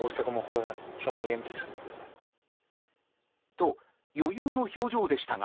と、余裕の表情でしたが。